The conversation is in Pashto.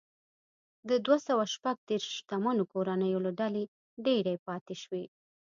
د دوه سوه شپږ دېرش شتمنو کورنیو له ډلې ډېرې پاتې شوې.